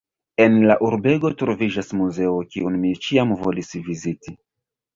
En la urbego troviĝas muzeo, kiun mi ĉiam volis viziti.